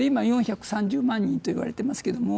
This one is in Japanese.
今、４３０万人と言われていますけれども。